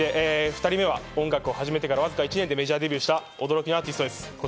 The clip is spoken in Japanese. ２人目は音楽を始めてわずか１年でメジャーデビューしたこちらのアーティストです。